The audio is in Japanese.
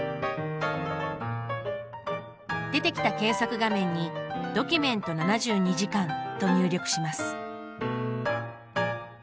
出てきた検索画面に「ドキュメント７２時間」と入力します。